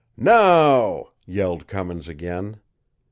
"Now!" yelled Cummins again.